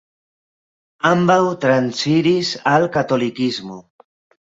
Ambaŭ transiris al katolikismo.